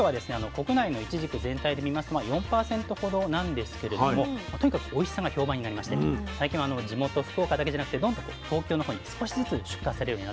国内のいちじく全体で見ますと４％ほどなんですけれどもとにかくおいしさが評判になりまして最近は地元福岡だけじゃなくて東京の方に少しずつ出荷されるようになってきている人気品種です。